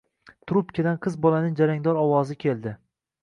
Trubkadan qiz bolaning jarangdor ovozi keldi.